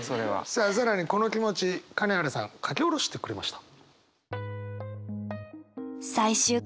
さあ更にこの気持ち金原さん書き下ろしてくれました。